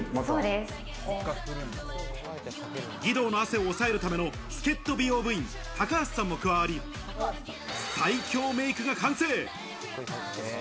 義堂の汗を抑えるための助っ人美容部員・たかはしさんも加わり、最強メイクが完成。